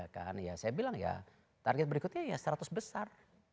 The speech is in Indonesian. kan ya saya bilang ya target berikutnya ya seratus besar